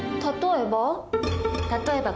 例えば？